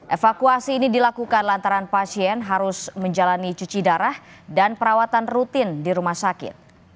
evakuasi ini dilakukan lantaran pasien harus menjalani cuci darah dan perawatan rutin di rumah sakit